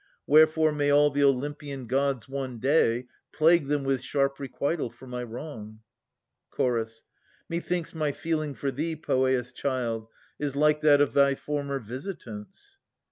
Wherefore may all the Ol3rmpian gods, one day, Plague them with sharp requital for my wrong ! Ch. Methinks my feeling for thee, Poeas' child. Is like that of thy former visitants.